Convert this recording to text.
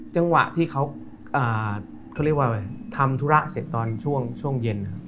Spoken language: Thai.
เวลาที่เขาทำธุระเสร็จตอนช่วงเย็น